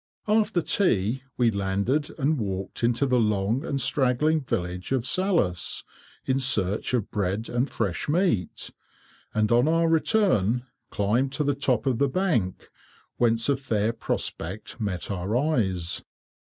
After tea, we landed, and walked into the long and straggling village of Salhouse, in search of bread and fresh meat, and on our return, climbed to the top of the bank, whence a fair prospect met our eyes.